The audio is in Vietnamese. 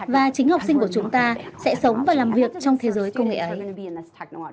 mà chính học sinh của chúng ta sẽ sống và làm việc trong thế giới công nghệ ấy